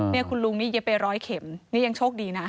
นี่คุณลุงนี่เย็บไปร้อยเข็มนี่ยังโชคดีนะ